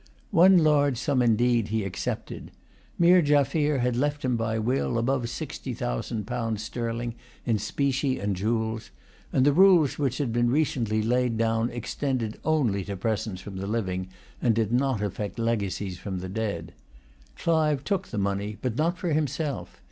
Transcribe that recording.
One large sum indeed he accepted. Meer Jaffier had left him by will above sixty thousand pounds sterling in specie and jewels: and the rules which had been recently laid down extended only to presents from the living, and did not affect legacies from the dead. Clive took the money, but not for himself.